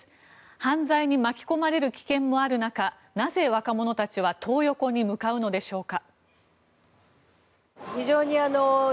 犯罪に巻き込まれる危険もある中なぜ、若者たちはトー横に向かうのでしょうか。